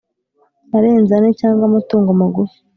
arenze ane cyangwa amatungo magufi